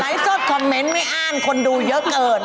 ไลค์โซตคอมเมนต์ไม่อ้านคนดูเยอะเกิน